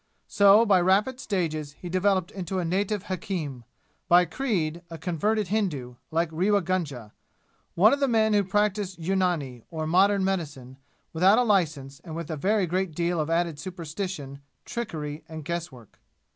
So, by rapid stages he developed into a native hakim by creed a converted Hindu, like Rewa Gunga, one of the men who practise yunani, or modern medicine, without a license and with a very great deal of added superstition, trickery and guesswork.